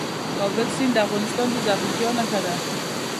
د کابل سیند د افغانستان د زرغونتیا نښه ده.